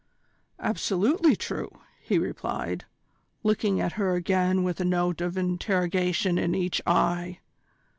"Absolutely true!" he replied, looking at her again with a note of interrogation in each eye.